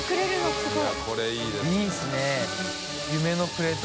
すごい！